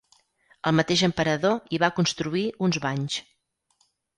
El mateix emperador hi va construir uns banys.